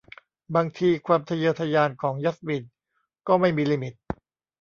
บางทีความทะเยอทะยานของยัสมินก็ไม่มีลิมิต